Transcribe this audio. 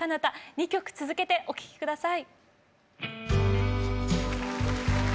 ２曲続けてお聴き下さい。